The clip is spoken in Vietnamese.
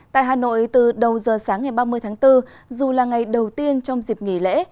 tại hà nội từ đầu giờ sáng ngày ba mươi tháng bốn dù là ngày đầu tiên trong dịp nghỉ lễ